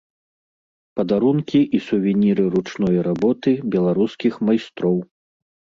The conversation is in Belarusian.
Падарункі і сувеніры ручной работы беларускіх майстроў.